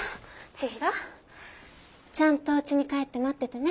ちひろちゃんとおうちに帰って待っててね。